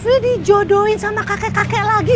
sudah dijodohin sama kakek kakek lagi